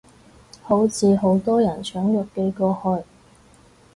好似好多人搶藥寄過去